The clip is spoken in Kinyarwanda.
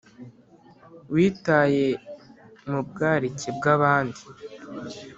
witaye mu bwarike bwabandi